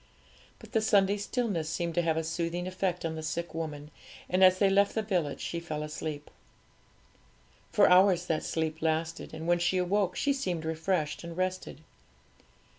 But the Sunday stillness seemed to have a soothing effect on the sick woman; and as they left the village she fell asleep. For hours that sleep lasted, and when she awoke she seemed refreshed and rested.